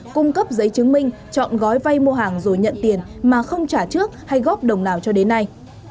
cung cấp giấy chứng minh chọn gói vay mua hàng rồi nhận tiền mà không trả trước hay góp đồng nào cho đến nay